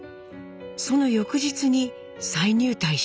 その翌日に再入隊しています。